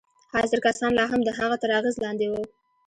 حاضر کسان لا هم د هغه تر اغېز لاندې وو